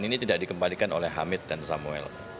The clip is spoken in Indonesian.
ini tidak dikembalikan oleh hamid dan samuel